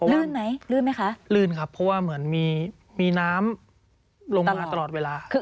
ลื่นไหมลื่นไหมคะลื่นครับเพราะว่าเหมือนมีน้ำลงมาตลอดเวลา